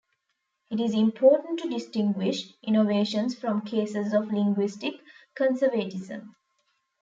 It is important to distinguish innovations from cases of linguistic conservatism.